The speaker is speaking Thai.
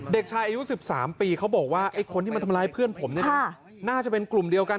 เด็กชายอายุ๑๓ปีเขาบอกว่าไอ้คนที่มาทำร้ายเพื่อนผมเนี่ยน่าจะเป็นกลุ่มเดียวกัน